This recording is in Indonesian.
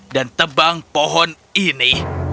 dan tebang pohon ini